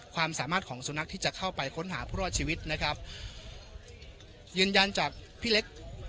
ความสามารถของสุนัขที่จะเข้าไปค้นหาผู้รอดชีวิตนะครับยืนยันจากพี่เล็ก